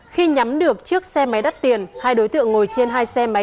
khi nhắm được chiếc xe máy đắt tiền hai đối tượng ngồi trên hai xe máy